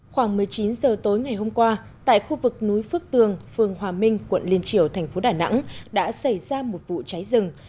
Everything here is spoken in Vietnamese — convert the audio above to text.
khoảng một mươi chín h tối ngày hôm qua tại khu vực núi phước tường phường hòa minh quận liên triều thành phố đà nẵng đã xảy ra một vụ cháy rừng